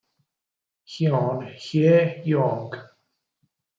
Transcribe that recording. Yoon Hye-young